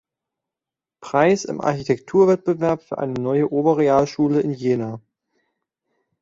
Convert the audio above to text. Preis im Architektenwettbewerb für eine neue Oberrealschule in Jena.